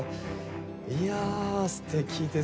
いやあすてきですよね。